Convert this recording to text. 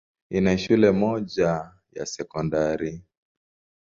Ina shule moja ya sekondari.